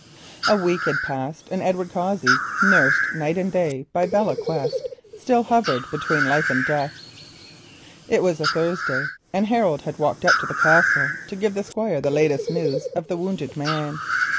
A week had passed, and Edward Cossey, nursed night and day by Belle Quest, still hovered between life and death. It was a Thursday, and Harold had walked up to the Castle to give the Squire the latest news of the wounded man.